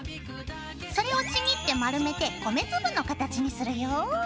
それをちぎって丸めて米粒の形にするよ。